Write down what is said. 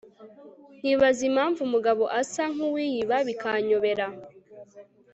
nkibaza impamvu umugabo asa nkuwiyiba bikanyobera